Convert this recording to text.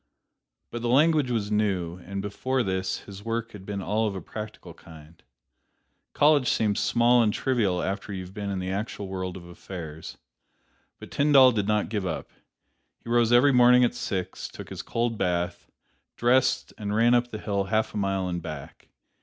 But the language was new; and before this his work had all been of a practical kind. College seems small and trivial after you have been in the actual world of affairs. But Tyndall did not give up. He rose every morning at six, took his cold bath, dressed and ran up the hill half a mile and back.